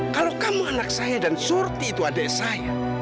kalau kamu anak saya dan surti itu adik saya